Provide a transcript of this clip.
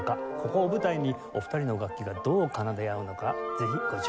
ここを舞台にお二人の楽器がどう奏で合うのかぜひご注目ください。